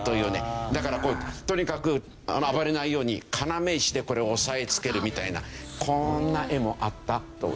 だからとにかく暴れないように要石でこれを押さえつけるみたいなこんな絵もあったという事ですね。